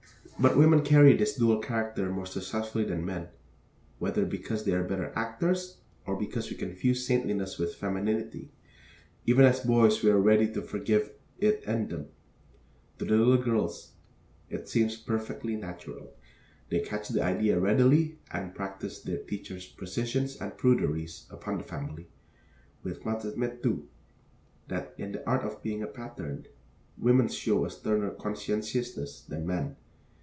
But women carry this dual character more successfully than men. Whether because they are better actors or because we confuse saintliness with femininity, even as boys we are more ready to forgive it in them. To the little girls, it seems perfectly natural. They catch the idea readily and practice their teachers' precisions and pruderies upon the family. We must admit, too, that in the art of being a pattern, women show a sterner conscientiousness than men.